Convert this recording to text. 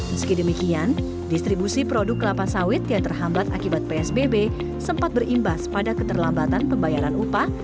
meski demikian distribusi produk kelapa sawit yang terhambat akibat psbb sempat berimbas pada keterlambatan pembayaran upah